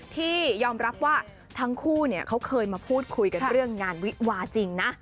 ที่ยอมรับว่าทั้งคู่เขาเคยมาพูดคุยกันเรื่องงานวิวาจริงนะ